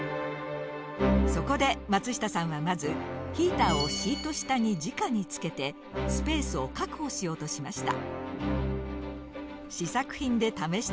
そこで松下さんはまずヒーターをシート下にじかに付けてスペースを確保しようとしました。